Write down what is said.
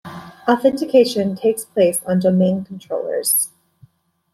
Authentication takes place on domain controllers.